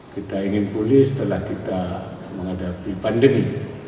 kita ingin pulih setelah kita menghadapi pandemi